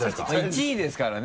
１位ですからね。